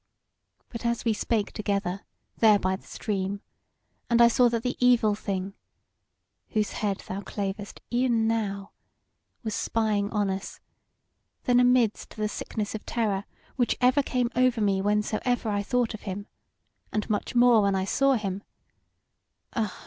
But as we spake together there by the stream, and I saw that the Evil Thing (whose head thou clavest e'en now) was spying on us, then amidst the sickness of terror which ever came over me whensoever I thought of him, and much more when I saw him (ah!